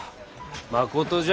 まことじゃ。